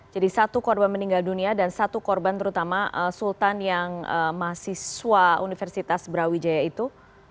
jadi satu korban meninggal dunia dan satu korban terutama sultan yang mahasiswa universitas brawijaya itu